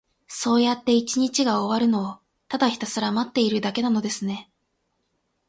そうやって一日が終わるのを、ただひたすら待っているだけなのですね。